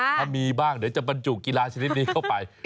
ถ้ามีบ้างเดี๋ยวจะบรรจุกีฬาชนิดนี้เข้าไป